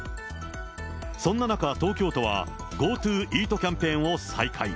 そんな中、東京都はＧｏＴｏイートキャンペーンを再開。